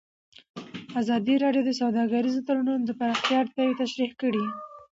ازادي راډیو د سوداګریز تړونونه د پراختیا اړتیاوې تشریح کړي.